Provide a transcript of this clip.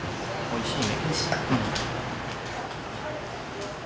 おいしい。